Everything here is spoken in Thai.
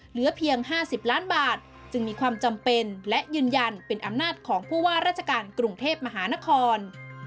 เหลือเพียง๕๐ล้านบาทจึงมีความจำเป็นและยืนยันเป็นอำนาจของผู้ว่าราชการกรุงเทพมหานคร